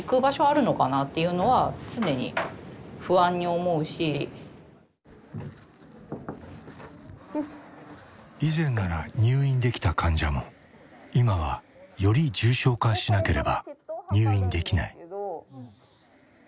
そうなった時にやっぱり以前なら入院できた患者も今はより重症化しなければ入院できない。